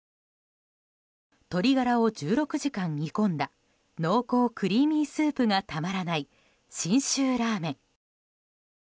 鶏ガラを１６時間煮込んだ濃厚クリーミースープがたまらない信州ラーメン。